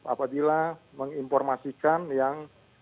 apabila menginformasikan yang